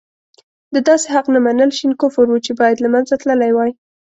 د داسې حق نه منل شين کفر وو چې باید له منځه تللی وای.